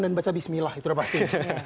dan baca bismillah itu udah pasti